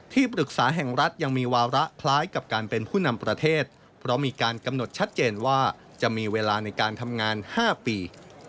ที่ปรึกษาแห่งรัฐยังมีวาระคล้ายกับการเป็นผู้นำประเทศเพราะมีการกำหนดชัดเจนว่าจะมีเวลาในการทำงาน๕ปี